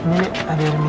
nenek ada yang minum